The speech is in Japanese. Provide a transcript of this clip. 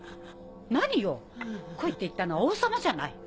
何よ来いって言ったのは王様じゃない。